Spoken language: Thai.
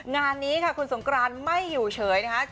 งานนี้ค่ะคุณสงกรานไม่อยู่เฉยนะคะ